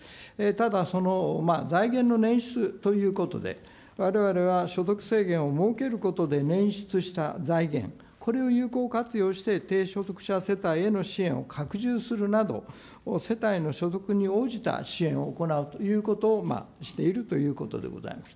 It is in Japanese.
ただ、財源のねん出ということで、われわれは所得制限を設けることでねん出した財源、これを有効活用して低所得者世帯への支援を拡充するなど、世帯の所得に応じた支援を行うということをしているということでございます。